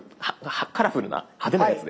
カラフルな派手なやつです。